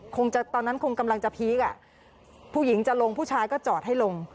ตอนนั้นคงกำลังจะพีคอ่ะผู้หญิงจะลงผู้ชายก็จอดให้ลง